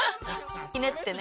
ひねってね。